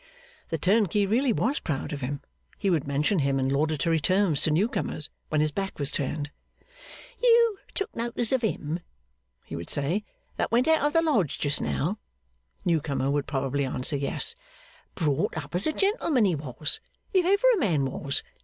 The turnkey really was proud of him. He would mention him in laudatory terms to new comers, when his back was turned. 'You took notice of him,' he would say, 'that went out of the lodge just now?' New comer would probably answer Yes. 'Brought up as a gentleman, he was, if ever a man was.